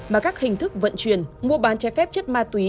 mà các hình thức vận chuyển mua bán trái phép chất ma túy